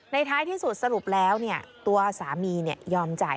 ในท้ายที่สุดสรุปแล้วเนี่ยตัวสามีเนี่ยยอมจ่ายให้แค่๓๐๐๐บาท